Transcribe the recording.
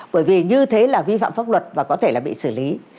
bởi vì như thế là vi phạm pháp luật và có thể là bị xử lý